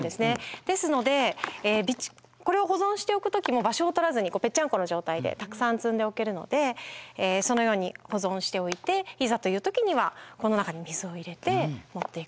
ですのでこれを保存しておく時も場所を取らずにぺちゃんこの状態でたくさん積んでおけるのでそのように保存しておいていざという時にはこの中に水を入れて持っていくと。